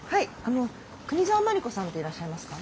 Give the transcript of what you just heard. あの国沢真理子さんっていらっしゃいますか？